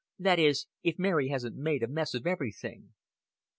That is, if Mary hasn't made a mess of everything."